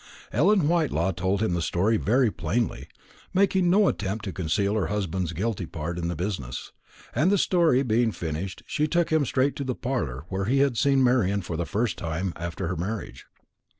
Ellen Whitelaw told him the story very plainly, making no attempt to conceal her husband's guilty part in the business; and the story being finished, she took him straight to the parlour where he had seen Marian for the first time after her marriage.